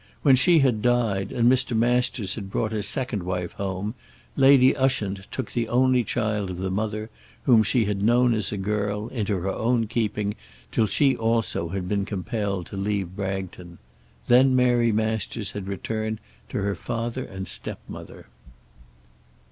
When she had died, and Mr. Masters had brought a second wife home, Lady Ushant took the only child of the mother, whom she had known as a girl, into her own keeping, till she also had been compelled to leave Bragton. Then Mary Masters had returned to her father and stepmother.